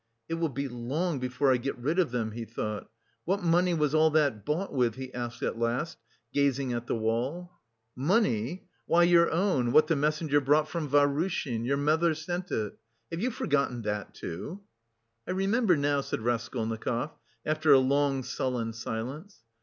"It will be long before I get rid of them," he thought. "What money was all that bought with?" he asked at last, gazing at the wall. "Money? Why, your own, what the messenger brought from Vahrushin, your mother sent it. Have you forgotten that, too?" "I remember now," said Raskolnikov after a long, sullen silence.